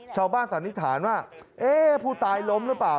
ชาวบ้านสานิทธานว่าพูดตายล้มหรือเปล่า